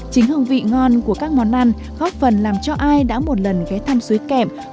chính hương vị ngon của các món ăn góp phần làm cho ai đã một lần ghé thăm suối kẹm